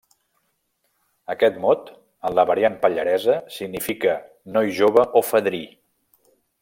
Aquest mot, en la variant pallaresa, significa noi jove o fadrí.